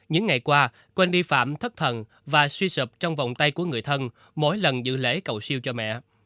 những ngày qua quên đi phạm thất thần và suy sụp trong vòng tay của người thân mỗi lần giữ lễ cầu siêu cho mẹ